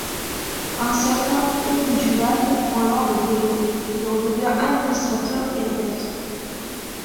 Un certain Émile Duval prend alors le relais et en devient administrateur et rédacteur.